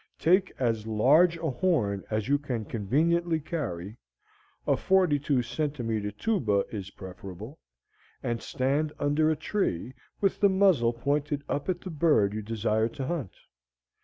Take as large a horn as you can conveniently carry (a 42 centimetre tuba is preferable) and stand under a tree, with the muzzle pointing up at the bird you desire to hunt.